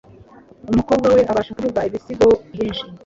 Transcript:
Umukobwa we abasha kuvuga ibisigo byinshi.